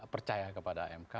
percaya kepada amk